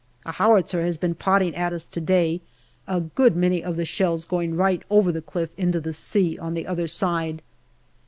A howitzer has been potting at us to day, a good many of the shells going right over the cliff into the sea on the other side.